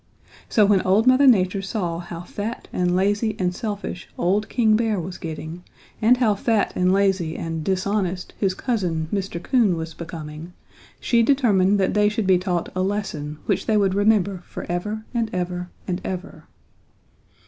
So when Old Mother Nature saw how fat and lazy and selfish old King Bear was getting and how fat and lazy and dishonest his cousin, Mr. Coon, was becoming, she determined that they should be taught a lesson which they would remember for ever and ever and ever.